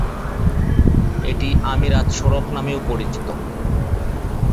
এটি আমিরাত সড়ক নামেও পরিচিত।